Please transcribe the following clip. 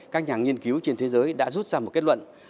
các nhà nghiên cứu trên thế giới đã rút ra một kết luận